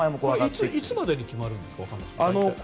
これ、いつまでに決まるんですか？